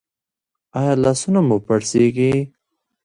ایا لاسونه مو پړسیږي؟